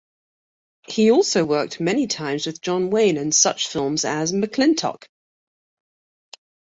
He also worked many times with John Wayne in such films as McLintock!